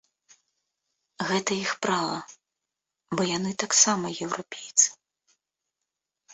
Гэта іх права, бо яны таксама еўрапейцы.